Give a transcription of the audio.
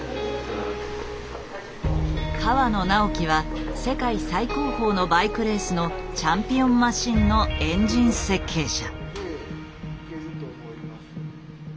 河野直樹は世界最高峰のバイクレースのチャンピオンマシンのエンジン設計者。